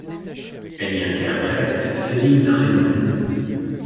Elle y interprète Céline Frémont.